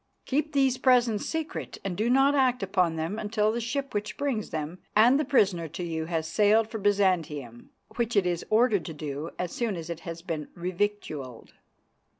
"'Keep these Presents secret and do not act upon them until the ship which brings them and the prisoner to you has sailed for Byzantium, which it is ordered to do as soon as it has been revictualled.